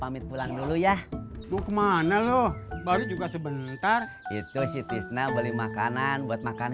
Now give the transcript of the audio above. pamit pulang dulu ya mau kemana loh baru juga sebentar itu si tisna beli makanan buat makan